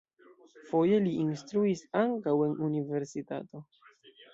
Foje li instruis ankaŭ en universitato.